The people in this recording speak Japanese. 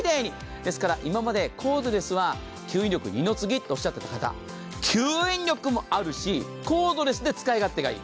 ですから今までコードレスは吸引力は二の次とおっしゃっていた方、吸引力もあるし、コードレスで使い勝手がいい。